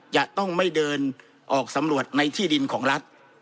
จะต้องไม่เดินออกสำรวจในที่ดินของรัฐ